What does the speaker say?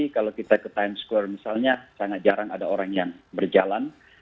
kalau kita ke times square misalnya sangat jarang ada orang yang berjalan